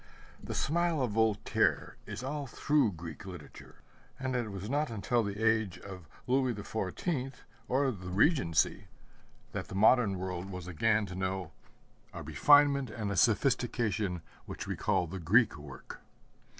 The smile of Voltaire is all through Greek literature; and it was not until the age of Louis XIV, or the Regency, that the modern world was again to know a refinement and a sophistication which recall the Greek work.